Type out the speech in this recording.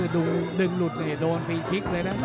ดึงหลุดเนี่ยโดนฟรีคลิกเลยนะ